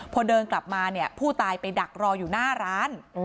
พอเดินกลับมาเนี่ยผู้ตายไปดักรออยู่หน้าร้าน